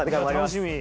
楽しみ。